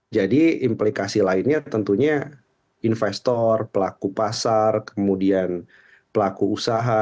jadi implikasi lainnya tentunya investor pelaku pasar kemudian pelaku usaha